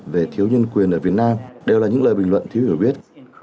về thiếu nhân quyền ở việt nam đều là những lời bình luận thiếu hiểu biết